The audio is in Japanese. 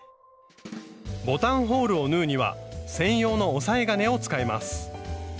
ボタンホールを縫うには専用の押さえ金を使います。